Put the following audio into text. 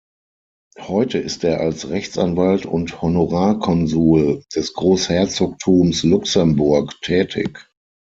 Heute ist er als Rechtsanwalt und Honorarkonsul des Großherzogtums Luxemburg tätig.